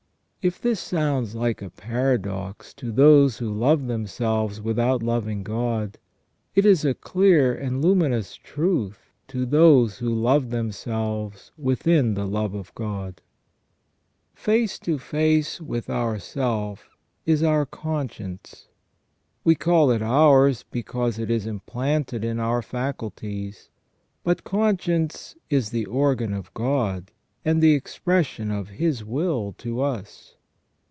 * If this sounds like a paradox to those who love them * S. August. Tract, cxxiii. in yoannem. SELF AND CONSCIENCE. 129 selves without loving God, it is a clear and luminous truth to those who love themselves within the love of God. Face to face with ourself is our conscience. We call it ours because it is implanted in our faculties, but conscience is the organ of God, and the expression of His will to us.